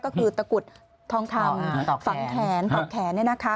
ก็คือตะกุดทองคำฝังแขนฝังแขน